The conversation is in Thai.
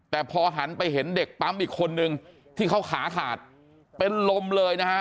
แต่พอหันไปเห็นเด็กปั๊มอีกคนนึงที่เขาขาขาดเป็นลมเลยนะฮะ